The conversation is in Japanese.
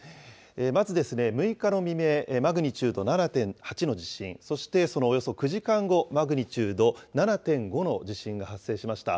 まず６日の未明、マグニチュード７．８の地震、そしてそのおよそ９時間後、マグニチュード７．５の地震が発生しました。